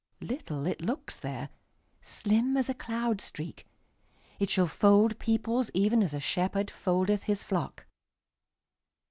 Little it looks there, Slim as a cloud streak; It shall fold peoplesEven as a shepherdFoldeth his flock.